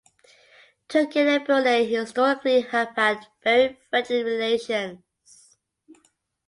Turkey and Brunei historically have had very friendly relations.